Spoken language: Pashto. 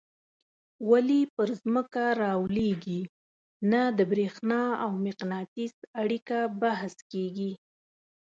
ولي پر ځمکه رالویږي نه د برېښنا او مقناطیس اړیکه بحث کیږي.